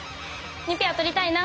２ペア取りたいな。